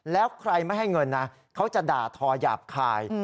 แล้วใครไม่ให้เงินนะเขาจะด่าทอหยาบคาย